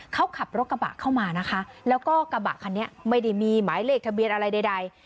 เขาขับรถกระบะเข้ามานะคะแล้วก็กระบะคันนี้ไม่ได้มีหมายเลขทะเบียนอะไรใด